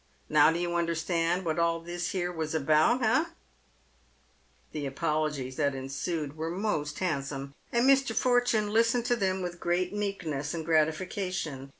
Now do you understand what all this here was about — eh ?" The apologies that ensued were most handsome, and Mr. Fortune listened to them with great meekness and gratification.